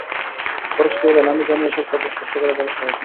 পরেশ কহিলেন, আমি জানি এ-সব কথা স্পষ্ট করে বলা সহজ নয়।